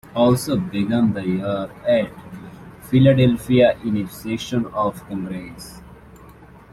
Alsop began the year at Philadelphia, in a session of Congress.